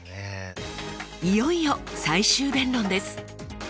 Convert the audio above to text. いよいよ最終弁論です！